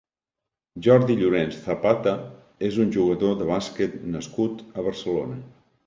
Jordi Llorens Zapata és un jugador de bàsquet nascut a Barcelona.